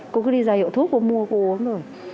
cô cứ đi ra hiệu thuốc cô mua cô uống rồi